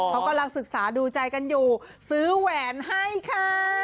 เขากำลังศึกษาดูใจกันอยู่ซื้อแหวนให้ค่ะ